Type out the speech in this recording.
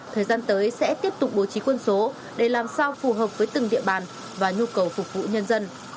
thời gian tới sẽ tiếp tục bố trí quân số để làm sao phù hợp với từng địa bàn và nhu cầu phục vụ nhân dân